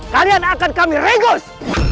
kalian akan kami regus